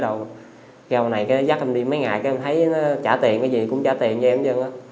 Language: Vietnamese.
rồi hôm nay dắt em đi mấy ngày em thấy nó trả tiền cái gì cũng trả tiền cho em chứ